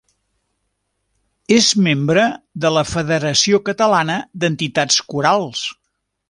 És membre de la Federació Catalana d’Entitats Corals.